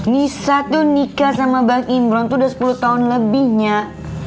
nisa tuh nikah sama bang imran tuh udah sepuluh tahun lebih nyak